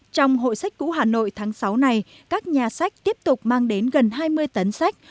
trong hội sách cũ hà nội tháng sáu này các nhà sách tiếp tục mang đến gần hai mươi tấn sách